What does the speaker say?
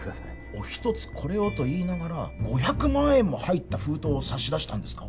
おひとつこれをと言いながら５００万円も入った封筒を差し出したんですか？